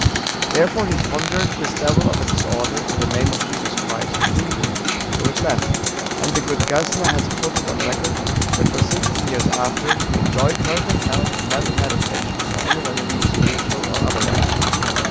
"Therefore he conjured this devil of a disorder, in the name of Jesus Christ to leave him so it left, and the good GASSNER has put it on record that for sixteen years after he enjoyed perfect health and never had occasion for any remedy, spiritual or otherwise.